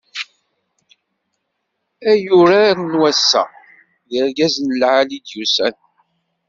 Ay urar n wass-a, d irgazen lɛali i d-yusan.